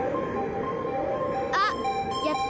あっやった！